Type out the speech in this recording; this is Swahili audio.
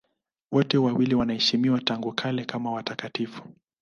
Wote wawili wanaheshimiwa tangu kale kama watakatifu.